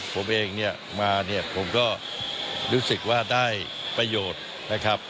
ผมเองมาผมก็รู้สึกว่าได้ประโยชน์